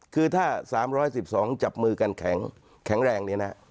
คือถ้า๓๑๒จับมือกันแข็งแรง